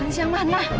haris yang mana